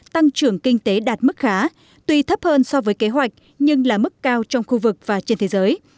tăng trưởng kinh tế đạt mức khá tuy thấp hơn so với kế hoạch nhưng là mức cao trong khu vực và trên thế giới